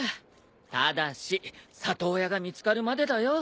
ただし里親が見つかるまでだよ。